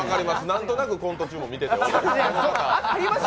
何となくコント中も見てて分かります。